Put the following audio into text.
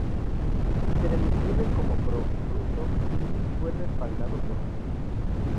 Se le describe como pro-ruso y fue respaldado por Rusia.